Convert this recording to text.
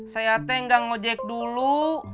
saya teh gak ngejek dulu